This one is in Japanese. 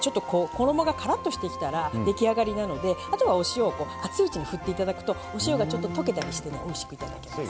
衣がカラッとしてきたら出来上がりなのであとはお塩を熱いうちに振っていただくとお塩がちょっと溶けたりしてねおいしく頂けます。